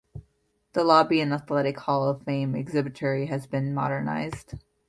The lobby and Athletic Hall of Fame exhibitry have been modernized.